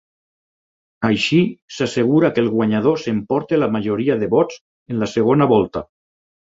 Així s'assegura que el guanyador s'emporta la majoria de vots en la segona volta.